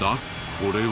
これは。